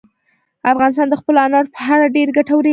افغانستان د خپلو انارو په اړه ډېرې ګټورې علمي څېړنې لري.